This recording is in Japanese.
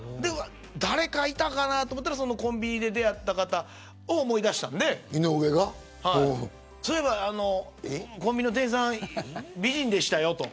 誰かいたかなと思ったらそのコンビニで出会った方を思い出したのでそういえばコンビニの店員さん美人でしたよと。